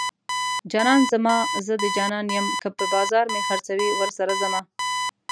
جانان زما زه د جانان يم که په بازار مې خرڅوي ورسره ځمه